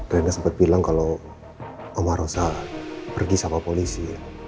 reina sempet bilang kalau oma rosa pergi sama polisi